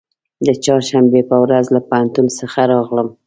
د چهارشنبې په ورځ له پوهنتون څخه راغلم.